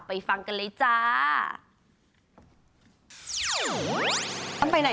ฟังกันเลยจ้า